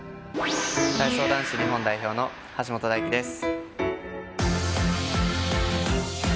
体操男子日本代表の橋本大輝です。